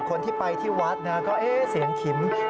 คนที่ไปที่วัดนะก็เอ๊ะเสียงขิม